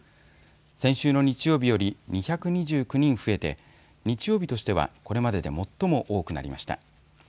先週の日曜日より２２９人増えて日曜日としてはこれまでで最も多くなりました。